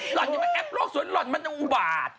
หล่อนอยากมาแอบโลกสวนหล่อนมันจะหวาด